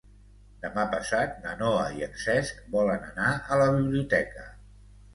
Demà passat na Noa i en Cesc volen anar a la biblioteca.